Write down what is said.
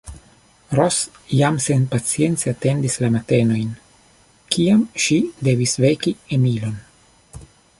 Ros jam senpacience atendis la matenojn, kiam ŝi devis veki Emilon.